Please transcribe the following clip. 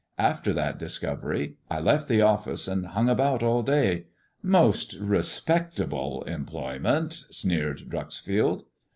After lat discovery I left the office and hung about all day "Most respectable employment," sneered Dreuxfield.